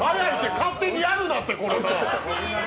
勝手にやるなって！